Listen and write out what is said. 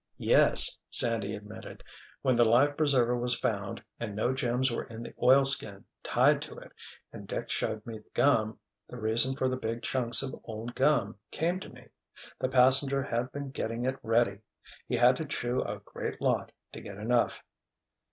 "Yes," Sandy admitted. "When the life preserver was found and no gems were in the oilskin tied to it, and Dick showed me the gum, the reason for the big chunks of old gum came to me. The passenger had been getting it ready. He had to chew a great lot to get enough."